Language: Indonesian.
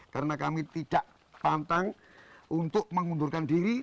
karena kami tidak pantang untuk mengundurkan diri